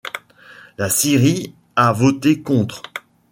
La Syrie a voté contre.